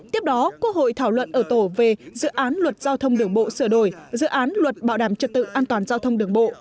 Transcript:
tiếp đó quốc hội thảo luận ở tổ về dự án luật giao thông đường bộ sửa đổi dự án luật bảo đảm trật tự an toàn giao thông đường bộ